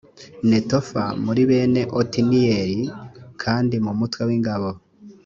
netofa muri bene otiniyeli kandi mu mutwe w ingabo